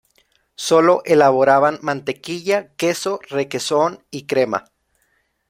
Sólo elaboraban mantequilla, queso, requesón y crema.